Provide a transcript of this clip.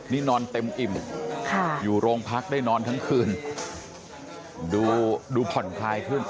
นี่นอนเต็มอิ่มอยู่โรงพักได้นอนทั้งคืนดูผ่อนคลายขึ้น